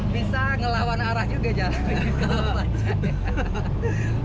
bisa ngelawan arah juga jalannya